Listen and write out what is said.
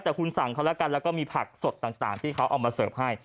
แต่คุณสั่งเขาแล้วกันแล้วก็มีผักสดต่างที่เขาเอามาเสิร์ฟให้